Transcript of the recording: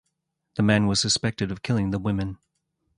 The man was suspected of killing the women.